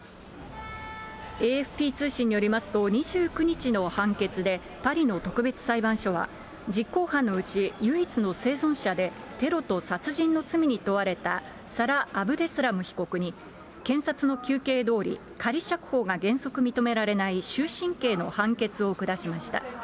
ＡＦＰ通信によりますと、２９日の判決で、パリの特別裁判所は、実行犯のうち、唯一の生存者で、テロと殺人の罪に問われた、サラ・アブデスラム被告に検察の求刑どおり、仮釈放が原則認められない、終身刑の判決を下しました。